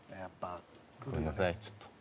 ごめんなさいちょっと。